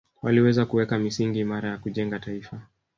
Waliweza kuweka misingi imara ya kujenga taifa